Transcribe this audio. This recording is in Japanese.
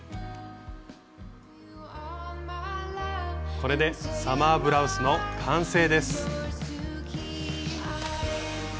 これでサマーブラウスの完成です。